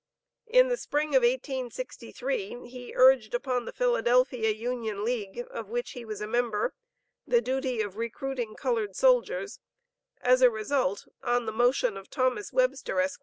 In the spring of 1863, he urged upon the Philadelphia Union League, of which he was a member, the duty of recruiting colored soldiers; as the result, on motion of Thomas Webster, Esq.